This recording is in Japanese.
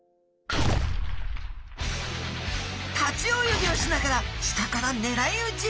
立ち泳ぎをしながら下からねらいうち！